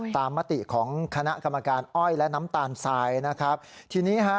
มติของคณะกรรมการอ้อยและน้ำตาลทรายนะครับทีนี้ฮะ